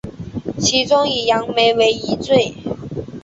其中以杨梅为一最。